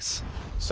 そう。